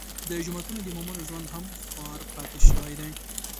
د جوماتونو د امامانو ژوند هم خوار پاتې شوی دی.